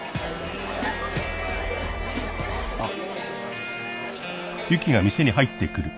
あっ。